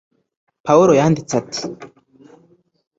Pawulo yanditse ati